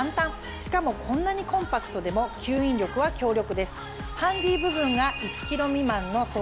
しかもこんなにコンパクトでも吸引力は強力です。